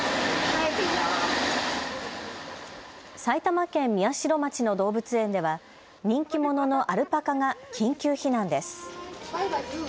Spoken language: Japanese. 埼玉県宮代町の動物園では人気者のアルパカが緊急避難です。